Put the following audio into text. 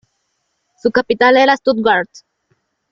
Su capital era Stuttgart.